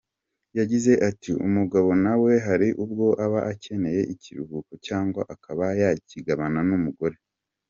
Yagize ati “Umugabo nawe hari ubwo aba akeneye ikiruhuko cyangwa akaba yakigabana n’umugore.